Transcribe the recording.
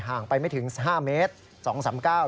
ห่างไปไม่ถึง๕เมตร๒๓๙